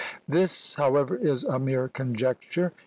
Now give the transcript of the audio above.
This, however, is a mere conjecture!